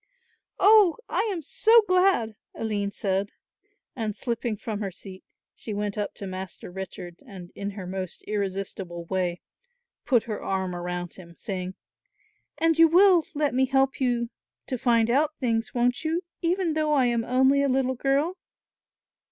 "Oh, I am so glad," Aline said, and slipping from her seat she went up to Master Richard and, in her most irresistible way, put her arm around him, saying: "And you will let me help you to find out things, won't you, even though I am only a little girl?"